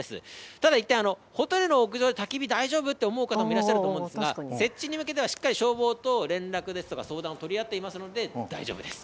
ただ一点、ホテルの屋上でたき火大丈夫って思う方いらっしゃると思うんですが、設置に向けてはしっかり消防と連絡ですとか相談を取り合っておりますので、大丈夫です。